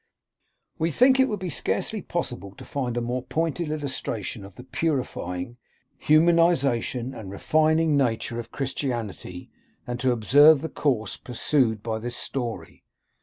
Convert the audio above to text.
We think it would be scarcely possible to find a more pointed illustration of the purifying, humanis ing, and refining nature of Christianity, than to observe the course pursued by this story.